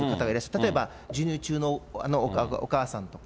例えば、授乳中のお母さんとか。